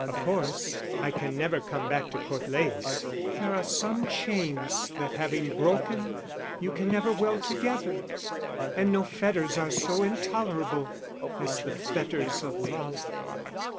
Of course, I can never come back to Court Leys there are some chains that having broken you can never weld together; and no fetters are so intolerable as the fetters of love.